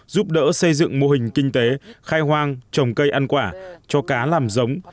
giúp đỡ xây dựng mô hình kinh tế khai hoang trồng cây ăn quả cho cá làm giống